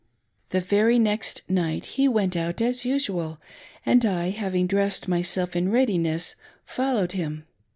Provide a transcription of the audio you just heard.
The very next night he went out as usual, and I, having dressed myself in readiness, followed him.